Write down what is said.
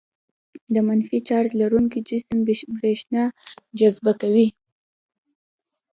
د منفي چارج لرونکي جسم برېښنا جذبه کوي.